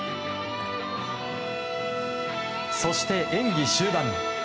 そして演技終盤。